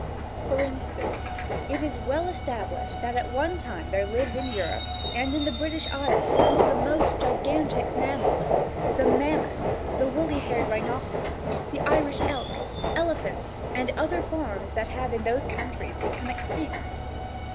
For instance, it is well established that at one time there lived in Europe, and in the British Islands some of the most gigantic mammals, the mammoth, the woolly haired rhinoceros, the Irish elk, elephants and other forms that have in those countries become extinct.